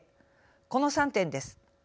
この３点です。